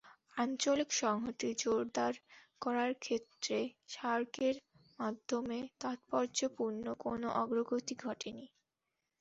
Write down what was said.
আঞ্চলিক সংহতি জোরদার করার ক্ষেত্রে সার্কের মাধ্যমে তাৎপর্যপূর্ণ কোনো অগ্রগতি ঘটেনি।